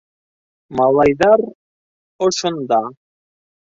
- Малайҙар... ошонда...